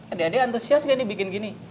adik adik antusias ya dibikin begini